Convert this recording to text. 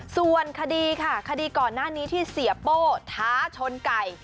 ส่วนคดีค่ะคดีก่อนหน้านี้ที่เสียโป้ท้าชนไก่